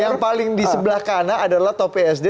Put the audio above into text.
yang paling di sebelah kanan adalah top sd